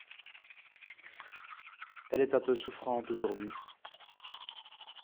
Elle est un peu souffrante aujourd’hui…